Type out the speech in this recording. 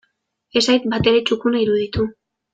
Ez zait batere txukuna iruditu.